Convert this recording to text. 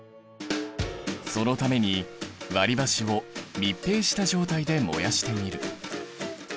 そのために割りばしを密閉した状態で燃やしてみる。